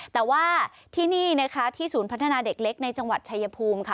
แต่ว่าที่นี่นะคะที่ศูนย์พัฒนาเด็กเล็กในจังหวัดชายภูมิค่ะ